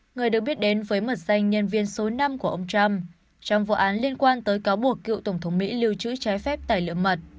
người được biết đến với mật danh nhân viên số năm của ông trump trong vụ án liên quan tới cáo buộc cựu tổng thống mỹ lưu trữ trái phép tài liệu mật